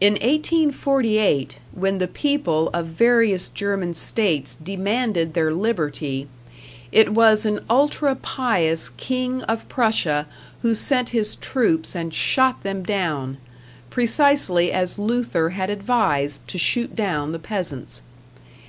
In 1848, when the people of various German states demanded their liberty, it was an ultra pious king of Prussia who sent his troops and shot them down precisely as Luther had advised to shoot down the peasants.